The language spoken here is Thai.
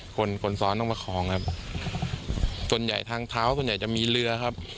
คนคนซ้อนต้องประคองครับส่วนใหญ่ทางเท้าส่วนใหญ่จะมีเรือครับ